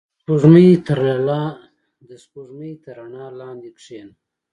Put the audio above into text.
• د سپوږمۍ تر رڼا لاندې کښېنه.